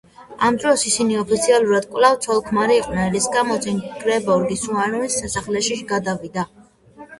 ამ დროს ისინი ოფიციალურად კვლავ ცოლ-ქმარი იყვნენ, რის გამოც ინგებორგი სუასონის სასახლეში გადავიდა.